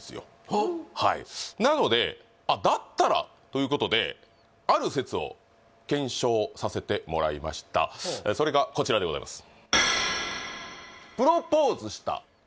ほうはいなのであっだったらということである説を検証させてもらいましたそれがこちらでございます